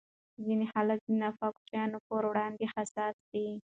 ځینې خلک د ناپاکو شیانو پر وړاندې حساس دي.